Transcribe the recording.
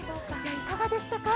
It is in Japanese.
いかがでしたか。